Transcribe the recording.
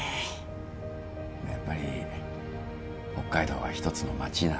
やっぱり北海道は一つの街なんだって思った。